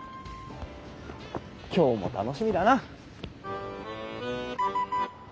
今日も楽しみだな。